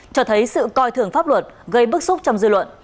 cho thấy sự coi thường pháp luật gây bức xúc trong dư luận